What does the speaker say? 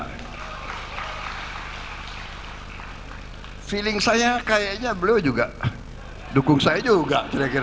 tapi perasaan saya kayaknya beliau juga dukung saya juga